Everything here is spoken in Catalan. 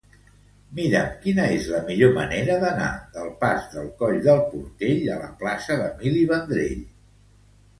Mira'm quina és la millor manera d'anar del pas del Coll del Portell a la plaça d'Emili Vendrell.